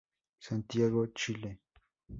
Santiago, Chile.